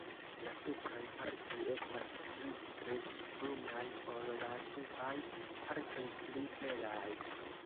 La supraj partoj estas pli grizbrunaj ol la subaj partoj pli helaj.